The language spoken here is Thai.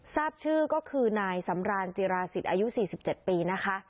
ทราบชื่อก็คือนายสำรานจิราศิษย์อายุ๔๗ปีนะคะ